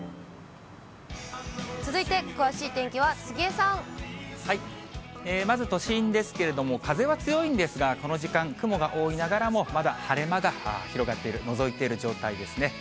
続いて、まず都心ですけれども、風は強いんですが、この時間、雲が多いながらもまだ晴れ間が広がっている、のぞいている状態ですね。